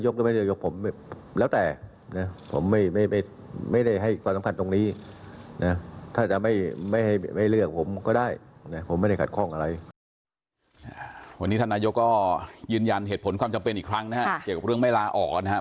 ยืนยันเหตุผลความจำเป็นอีกครั้งนะครับเกี่ยวกับเรื่องไม่ลาออกนะครับ